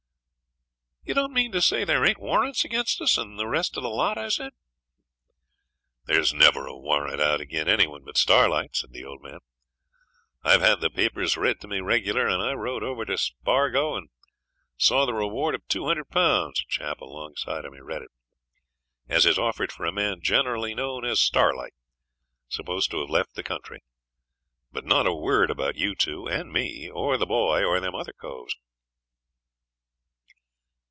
'You don't mean to say there ain't warrants against us and the rest of the lot?' I said. 'There's never a warrant out agin any one but Starlight,' said the old man. 'I've had the papers read to me regular, and I rode over to Bargo and saw the reward of 200 Pounds (a chap alongside of me read it) as is offered for a man generally known as Starlight, supposed to have left the country; but not a word about you two and me, or the boy, or them other coves.'